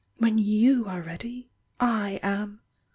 When you are ready, / am!"